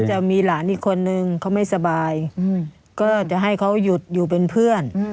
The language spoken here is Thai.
จะมีหลานอีกคนนึงเขาไม่สบายก็จะให้เขาหยุดอยู่เป็นเพื่อน